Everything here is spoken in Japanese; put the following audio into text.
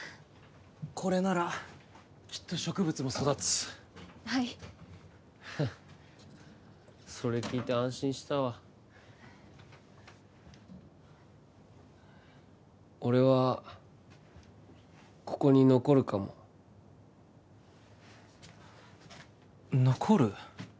これならきっと植物も育つはいはそれ聞いて安心したわ俺はここに残るかも残る？